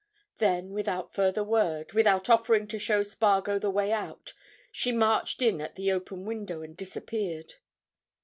Then without further word, without offering to show Spargo the way out, she marched in at the open window and disappeared.